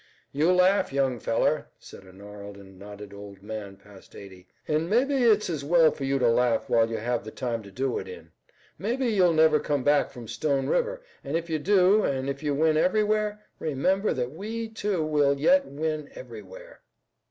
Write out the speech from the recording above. "You laugh, young feller," said a gnarled and knotted old man past eighty, "an' mebbe it's as well for you to laugh while you have the time to do it in. Mebbe you'll never come back from Stone River, an' if you do, an' if you win everywhere, remember that we, too, will yet win everywhere."